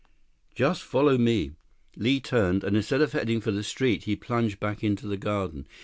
46 "Just follow me." Li turned, and instead of heading for the street, he plunged back into the garden.